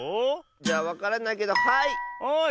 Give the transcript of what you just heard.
じゃあわからないけどはい！